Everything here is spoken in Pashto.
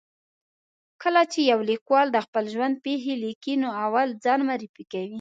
کله چې یو لیکوال د خپل ژوند پېښې لیکي، نو اول ځان معرفي کوي.